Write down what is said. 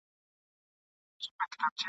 غازیان به نمانځي پردي پوځونه !.